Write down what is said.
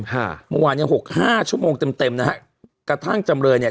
ฮ่าเมื่อวานยังหกห้าชั่วโมงเต็มเต็มนะฮะกระทั่งจำเรือนเนี้ย